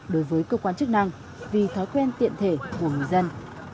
đối với cơ quan chức năng vì thói quen tiện thể của người dân